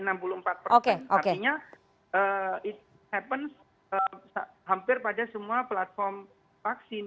artinya it happens hampir pada semua platform vaksin